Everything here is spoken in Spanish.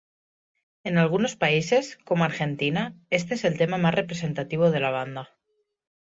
En algunos países, como Argentina, este es el tema más representativo de la banda.